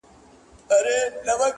هره پوله به نن وه، سبا به نه وه٫